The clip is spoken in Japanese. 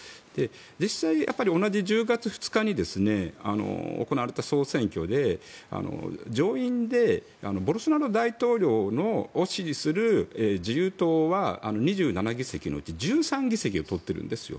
実際、同じ１０月２日に行われた総選挙で上院でボルソナロ大統領を支持する自由党は２７議席のうち１３議席を取ってるんですよ。